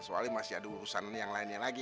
soalnya masih ada urusan yang lainnya lagi